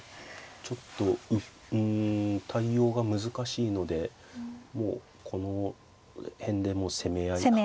ちょっとうん対応が難しいのでもうこの辺で攻め合いかって。